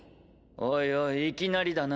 おいおいいきなりだな。